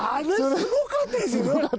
すごかったですね。